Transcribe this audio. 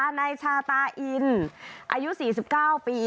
นายชาตาอินอายุ๔๙ปี